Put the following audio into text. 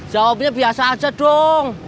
jawabnya biasa aja dong